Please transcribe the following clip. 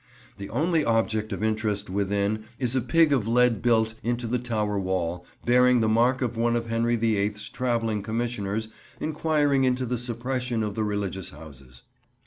The only object of interest within is a pig of lead built into the tower wall, bearing the mark of one of Henry the Eighth's travelling Commissioners inquiring into the suppression of the religious houses.